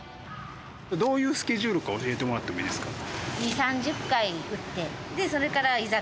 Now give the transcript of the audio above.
どういうスケジュールか教えてもらってもいいですか？